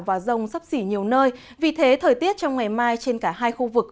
và rông sắp xỉ nhiều nơi vì thế thời tiết trong ngày mai trên cả hai khu vực